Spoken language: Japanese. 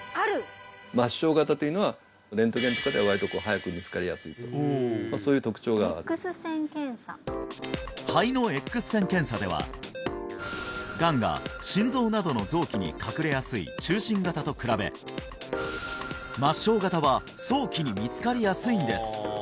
末梢型というのはレントゲンとかでは割と早く見つかりやすいそういう特徴がある肺のＸ線検査ではがんが心臓などの臓器に隠れやすい中心型と比べ末梢型は早期に見つかりやすいんです